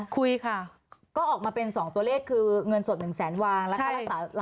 คุยค่ะก็ออกมาเป็นสองตัวเลขคือเงินสดหนึ่งแสนวางแล้วคารักษาร้านสอง